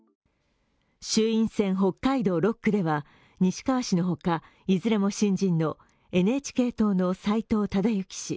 衆院選北海道６区では西川氏の他、いずれも新人のＮＨＫ党の斉藤忠行氏